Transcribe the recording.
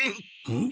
ん？